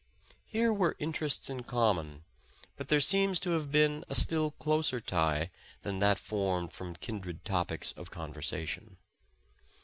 Here were interests in com mon, but there seems to have been a still closer tie than that formed from kindred topics of conversation.